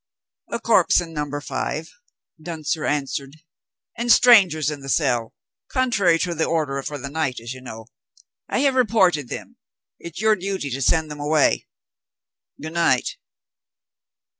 "A corpse in Number Five," Duntzer answered. "And strangers in the cell. Contrary to the order for the night, as you know. I have reported them; it's your duty to send them away. Good night."